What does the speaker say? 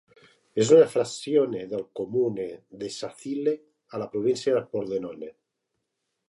És una "frazione" del "comune" de Sacile, a la província de Pordenone.